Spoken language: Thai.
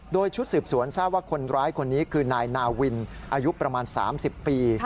โดยชุดสืบสวนทราบว่าคนร้ายคนนี้คือนายนาวินอายุประมาณ๓๐ปี